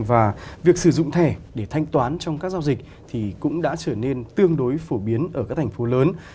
và việc sử dụng thẻ để thanh toán trong các giao dịch thì cũng đã trở nên tương đối phổ biến ở các thành phố lớn